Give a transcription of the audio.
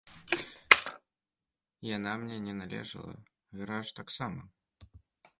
Яна мне не належала, гараж таксама.